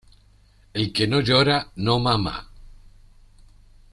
El que no llora no mama.